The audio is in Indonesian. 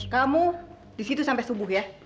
kamu disitu sampai subuh ya